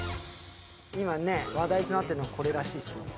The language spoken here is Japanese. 今話題となってるのはこれらしいですよ。